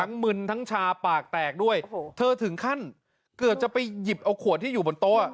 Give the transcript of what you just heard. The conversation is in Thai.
มึนทั้งชาปากแตกด้วยเธอถึงขั้นเกือบจะไปหยิบเอาขวดที่อยู่บนโต๊ะ